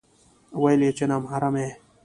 ويل يې چې نا محرمه يې